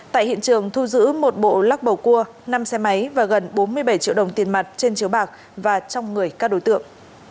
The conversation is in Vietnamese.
tại hiện trường thu giữ một bộ lắc bầu cua năm xe máy và gần bốn mươi bảy triệu đồng tiền mặt trên chiếu bạc và trong người các đối tượng